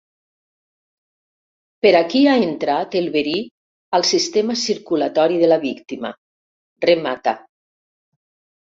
Per aquí ha entrat el verí al sistema circulatori de la víctima — remata.